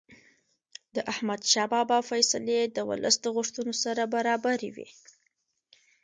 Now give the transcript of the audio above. احمدشاه بابا فیصلې د ولس د غوښتنو سره برابرې وې.